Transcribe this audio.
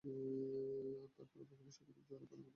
আর তার পরে বাকীটা সম্পূর্ণই জলে পরিপূর্ণ ছিল।